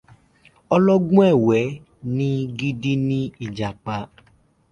Ọlọ́gbọ́n ẹ̀wẹ ni gidi ni Ìjàpá.